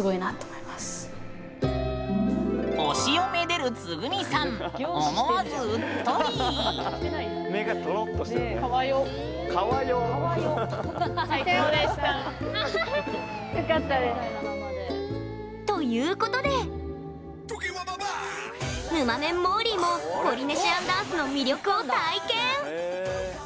思わず、うっとり。ということでぬまメン、もーりーもポリネシアンダンスの魅力を体験。